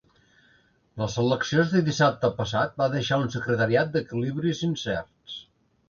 Les eleccions de dissabte passat va deixar un secretariat d’equilibris incerts.